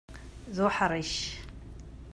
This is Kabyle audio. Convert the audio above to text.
D uḥṛic.